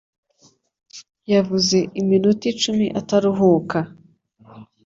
Yavuze iminota icumi ataruhuka.